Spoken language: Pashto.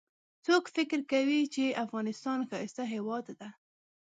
څوک فکر کوي چې افغانستان ښایسته هیواد ده